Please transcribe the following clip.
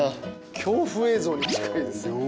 恐怖映像に近いです。